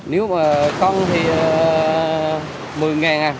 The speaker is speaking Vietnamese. nếu mà con thì một mươi ngàn à